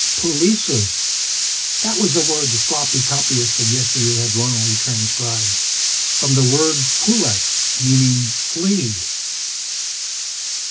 Pulicus! That was the word the sloppy copyist of yesteryear had wrongly transcribed. From the word pulex, meaning "flea."